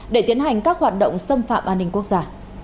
để tiến hành các hoạt động xâm phạm an ninh quốc gia